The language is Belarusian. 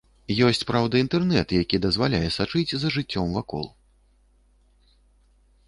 Ёсць, праўда, інтэрнэт, які дазваляе сачыць за жыццём вакол.